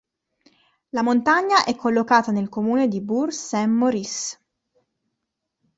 La montagna è collocata nel comune di Bourg-Saint-Maurice.